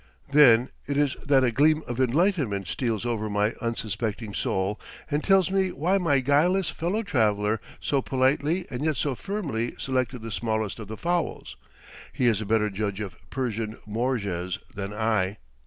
Then it is that a gleam of enlightenment steals over my unsuspecting soul and tells me why my guileless fellow traveller so politely and yet so firmly selected the smallest of the fowls he is a better judge of Persian "morges" than I.